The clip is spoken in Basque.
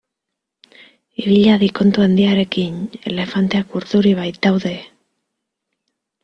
Ibil hadi kontu handiarekin elefanteak urduri baitaude.